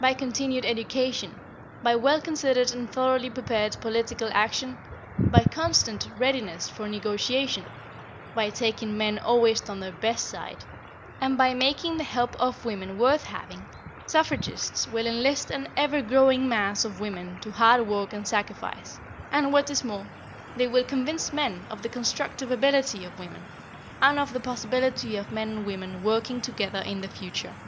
By continued education, by well considered and thoroughly prepared political action, by constant readiness for negotiation, by taking men always on their best side, and by making the help of women worth having, suffragists will enlist an ever growing mass of women to hard work and sacrifice, and, what is more, they will convince men of the constructive ability of women, and of the possibility of men and women working together in the future.